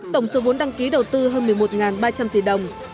tổng số vốn đăng ký đầu tư hơn một mươi một ba trăm linh tỷ đồng